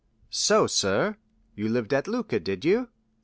30123m "So, sir, you lived at Lucca, did you?